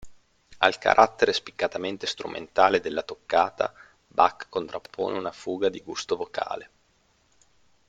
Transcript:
Al carattere spiccatamente strumentale della toccata, Bach contrappone una fuga di gusto vocale.